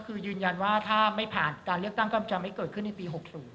คือยืนยันว่าถ้าไม่ผ่านการเลือกตั้งก็จะไม่เกิดขึ้นในปี๖๐